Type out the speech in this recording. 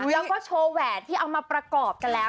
แล้วก็โชว์แหวนที่เอามาประกอบกันแล้ว